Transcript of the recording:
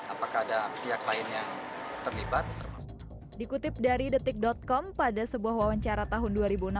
apakah ada pihak lain yang terlibat dikutip dari detik com pada sebuah wawancara tahun dua ribu enam belas